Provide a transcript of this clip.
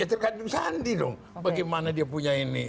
tergantung sandi dong bagaimana dia punya ini